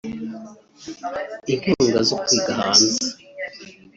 inkunga zo kwiga hanze